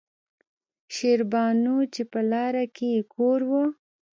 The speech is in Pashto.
شېربانو چې پۀ لاره کښې يې کور وۀ